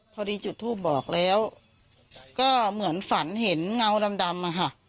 พอดีจุดทูปบอกแล้วก็เหมือนฝันเห็นเงาดำอะค่ะ